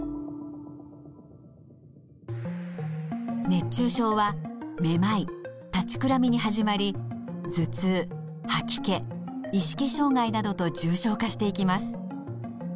熱中症はめまい立ちくらみに始まり頭痛吐き気意識障害などと重症化していきます。